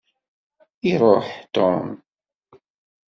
Iruḥ Tom.